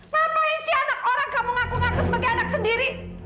ngapain sih anak orang kamu ngaku ngaku sebagai anak sendiri